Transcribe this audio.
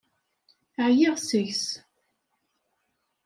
Ɛyiɣ seg-s.